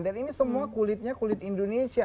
dan ini semua kulitnya kulit indonesia